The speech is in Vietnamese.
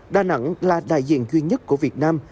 đà nẵng là đại diện duy nhất của việt nam